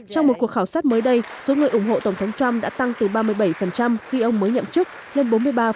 trong một cuộc khảo sát mới đây số người ủng hộ tổng thống trump đã tăng từ ba mươi bảy khi ông mới nhậm chức lên bốn mươi ba